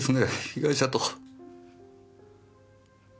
被害者と。